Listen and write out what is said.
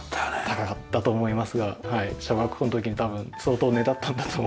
高かったと思いますが小学校の時に多分相当ねだったんだと思います。